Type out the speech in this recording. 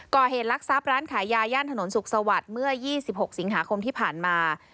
ลักษัพร้านขายยาย่านถนนสุขสวัสดิ์เมื่อ๒๖สิงหาคมที่ผ่านมา